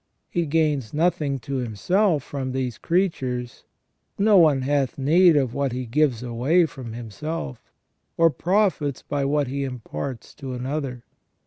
He gains nothing to Himself from these creatures ; no one hath need of what He gives away from Himself, or profits by what He imparts to another.